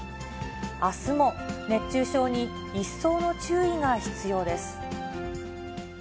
あすも熱中症に一層の注意が必要です。